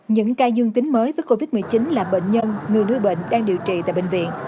những ca dương tính mới với covid một mươi chín là bệnh nhân người nuôi bệnh đang điều trị tại bệnh viện